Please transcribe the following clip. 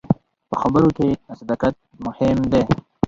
په خبرو کې صداقت مهم دی.